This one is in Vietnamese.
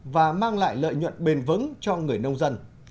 và mang lại lợi nhuận bền vững cho người nông dân